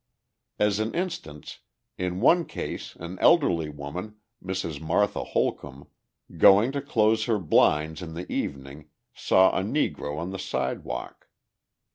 As an instance, in one case an elderly woman, Mrs. Martha Holcombe, going to close her blinds in the evening, saw a Negro on the sidewalk.